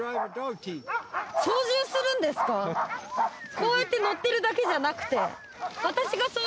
こうやって乗ってるだけじゃなくて？わ！